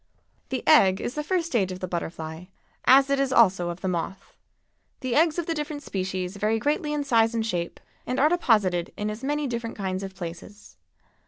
The egg is the first stage of the butterfly, as it is also of the moth. The eggs of the different species vary greatly in size and shape, and are deposited in as many different kinds of places.